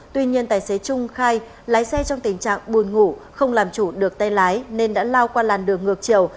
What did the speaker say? tuy nhiên tài xế trung khai lái xe trong tình trạng buồn ngủ không làm chủ được tay lái nên đã lao qua làn đường ngược chiều